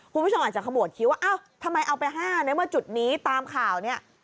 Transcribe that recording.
คุณผู้ชมอาจจะขมวดคิดว่าอ้าวทำไมเอาไป๕ในเมื่อจุดนี้ตามข่าวเนี่ย